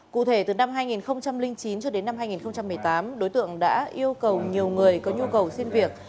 cụ thể từ năm hai nghìn chín cho đến năm hai nghìn một mươi tám đối tượng đã yêu cầu nhiều người có nhu cầu xin việc